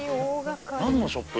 何のショップ？